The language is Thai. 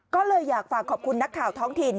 ก็เลยอยากฝากขอบคุณนักข่าวท้องถิ่น